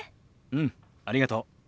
うんありがとう。